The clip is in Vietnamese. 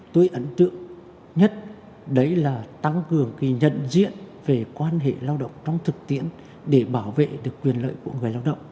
tôi ấn tượng nhất đấy là tăng cường cái nhận diện về quan hệ lao động trong thực tiễn để bảo vệ được quyền lợi của người lao động